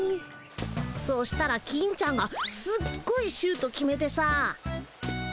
そしたら金ちゃんがすっごいシュート決めてさ。